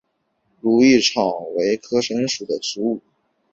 如意草为堇菜科堇菜属的植物。